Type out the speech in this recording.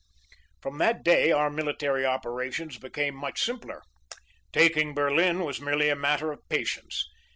"From that day our military operations became much simpler. Taking Berlin was merely a matter of patience.